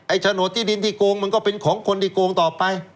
โฉนดที่ดินที่โกงมันก็เป็นของคนที่โกงต่อไป